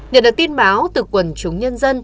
nhận được tin báo từ quần chúng nhân dân